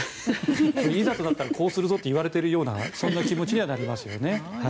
いざとなったらこうするぞと言われているようなそんな気持ちにはなりますよね。